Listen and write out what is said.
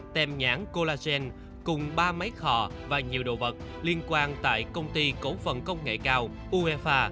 tem nhãn collagen cùng ba máy khò và nhiều đồ vật liên quan tại công ty cổ phần công nghệ cao uefa